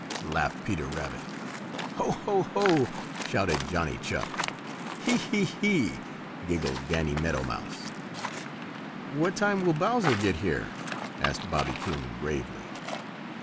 laughed Peter Rabbit. "Ho! ho! ho!" shouted Johnny Chuck. "Hee! hee! hee!" giggled Danny Meadow Mouse. "What time will Bowser get here?" asked Bobby Coon, gravely.